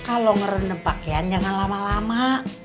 kalau ngerendam pakaian jangan lama lama